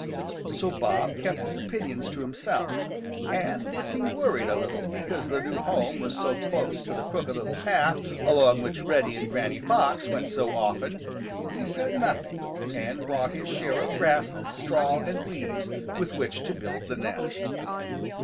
So Bob kept his opinions to himself, and if he worried a little because the new home was so close to the Crooked Little Path along which Reddy and Granny Fox went so often, he said nothing and brought his share of grasses, straw and leaves with which to build the nest.